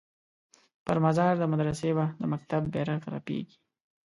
پر مزار د مدرسې به د مکتب بیرغ رپیږي